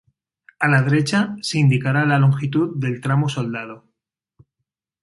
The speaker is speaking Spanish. A la derecha se indicará la longitud del tramo soldado.